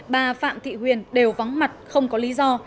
bà phạm thị huyền đều vắng mặt không có lý do